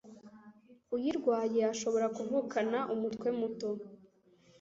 uyirwaye ashobora kuvukana umutwe muto,